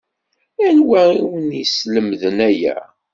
Anwa i wen-yeslemden aya?